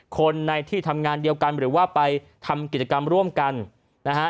คนในที่ทำงานเดียวกันหรือว่าไปทำกิจกรรมร่วมกันนะฮะ